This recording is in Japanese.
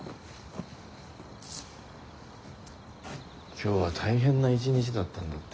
今日は大変な一日だったんだって？